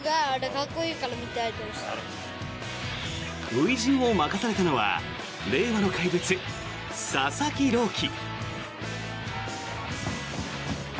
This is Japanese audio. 初陣を任されたのは令和の怪物、佐々木朗希。